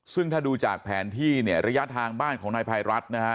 ซึ่งถ้าดูจากแผนที่เนี่ยระยะทางบ้านของนายภัยรัฐนะฮะ